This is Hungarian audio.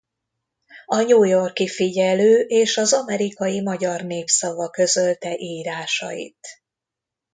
A New York-i Figyelő és az Amerikai Magyar Népszava közölte írásait.